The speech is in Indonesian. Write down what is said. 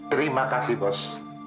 terima kasih bos